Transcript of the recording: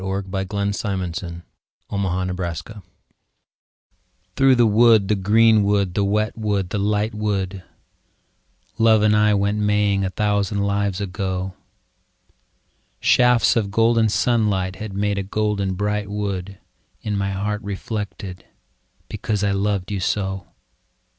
ROSEMARY 51 THROUGH THE WOOD Theough the wood, the green wood, the wet wood, the light wood, Love and I went maying a thousand lives ago ; Shafts of golden sunlight had made a golden bright wood In my heart reflected, because I loved you so.